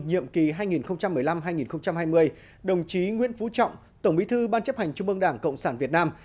nhiệm kỳ hai nghìn một mươi năm hai nghìn hai mươi đồng chí nguyễn phú trọng tổng bí thư ban chấp hành trung ương đảng cộng sản việt nam